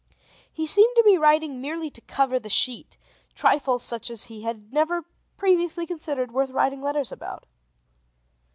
He seemed to be writing merely to cover the sheet, trifles such as he had never previously considered worth writing letters about.